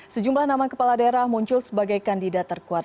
sejumlah nama kepala daerah muncul sebagai kandidat terkuat